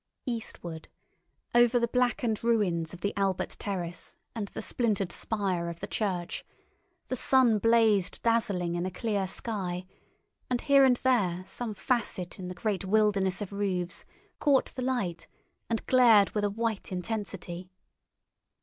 Eastward, over the blackened ruins of the Albert Terrace and the splintered spire of the church, the sun blazed dazzling in a clear sky, and here and there some facet in the great wilderness of roofs caught the light and glared with a white intensity.